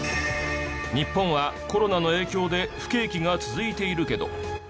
日本はコロナの影響で不景気が続いているけど。